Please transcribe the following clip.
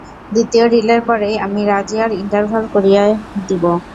দ্বিতীয় রিলের পরেই আমি রাজিয়ার ইন্টারভাল করিয়ে দিবো।